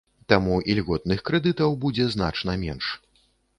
Таму ільготных крэдытаў будзе значна менш.